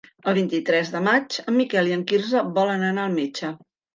El vint-i-tres de maig en Miquel i en Quirze volen anar al metge.